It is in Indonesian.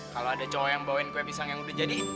kalau ada cowok yang bawain kue pisang yang udah jadi